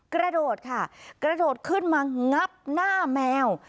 กระโดดค่ะกระโดดขึ้นมางับหน้าแมว